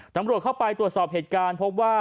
ตำรวจเข้าไปตรวจสอบเหตุการณ์พบว่า